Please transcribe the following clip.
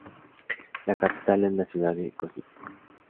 La capital es la ciudad de Košice.